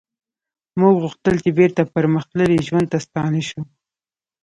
موږ غوښتل چې بیرته پرمختللي ژوند ته ستانه شو